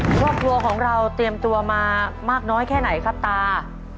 ครอบครัวของเราเตรียมตัวมามากน้อยแค่ไหนครับตา